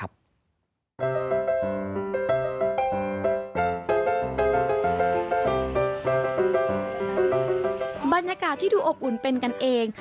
บรรยากาศที่ดูอบอุ่นเป็นกันเอง